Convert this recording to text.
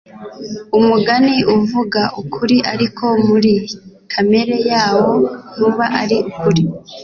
Umugani uvuga ukuri ariko muri kamere yawo ntuba ari ukuri.